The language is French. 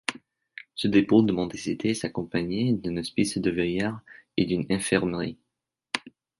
Ce dépôt de mendicité s'accompagnait d'un hospice de vieillards et d'une infirmerie.